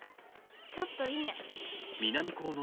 ちょっといいね？